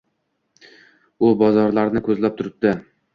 U bozorlarini ko‘zlab turibdi.